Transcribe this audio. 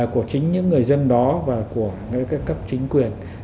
của chính những người dân đó và của các cấp chính quyền